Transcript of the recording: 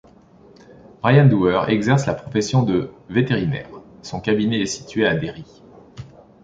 Brian Dooher exerce la profession de vétérinaire, son cabinet est situé à Derry.